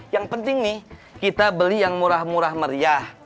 yang penting nih kita beli yang murah murah meriah